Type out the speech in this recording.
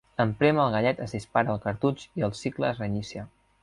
En prémer el gallet es dispara el cartutx i el cicle es reinicia.